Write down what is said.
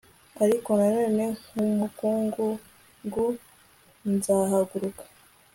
ariko nanone, nkumukungugu, nzahaguruka